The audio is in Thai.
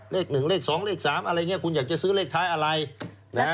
เลข๑เลข๒เลข๓อะไรอย่างนี้คุณอยากจะซื้อเลขท้ายอะไรนะฮะ